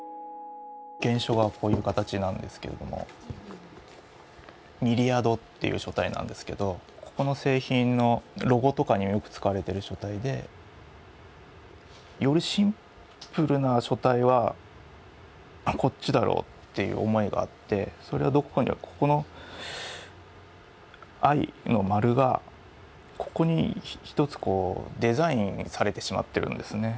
原書はこういう形なんですけれどもミリアドっていう書体なんですけどここの製品のロゴとかによく使われている書体で。よりシンプルな書体はこっちだろうって思いがあってそれはどこかというとここの「ｉ」の丸がここに一つこうデザインされてしまってるんですね。